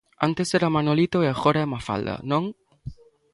Antes era Manolito e agora é Mafalda, ¿non?